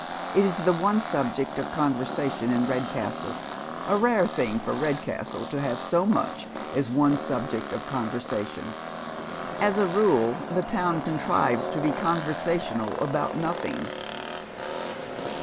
It is the one subject of conversation in Redcastle. A rare tiling for Red castle to have so much as one subject of conversation ; as a rule, the town contrives to be conversational about nothing.